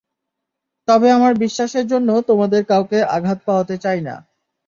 তবে আমার বিশ্বাসের জন্য তোমাদের কাউকে আঘাত পাওয়াতে চাই না।